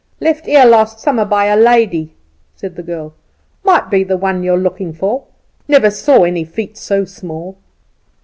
"Left here last summer by a lady," said the girl; "might be the one you are looking for. Never saw any feet so small."